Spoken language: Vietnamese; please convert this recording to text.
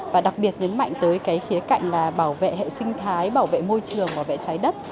và đặc biệt đến mạnh tới khía cạnh bảo vệ hệ sinh thái bảo vệ môi trường và bảo vệ trái đất